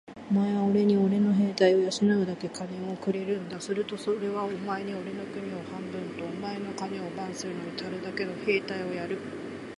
お前はおれにおれの兵隊を養うだけ金をくれるんだ。するとおれはお前におれの国を半分と、お前の金を番するのにたるだけの兵隊をやる。